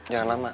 jangan lama ma